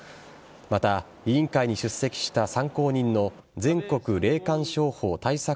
また、委員会に出席した参考人の全国霊感商法対策